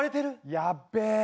やっべえ！